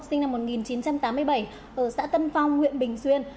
sinh năm một nghìn chín trăm tám mươi bảy ở xã tân phong huyện bình xuyên